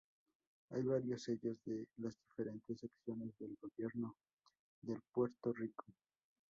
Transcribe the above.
Hay varios sellos de las diferentes secciones del gobierno de Puerto Rico.